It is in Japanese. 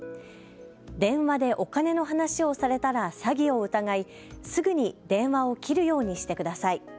電話でお金の話をされたら詐欺を疑い、すぐに電話を切るようにしてください。